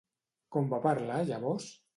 Com va parlar llavors?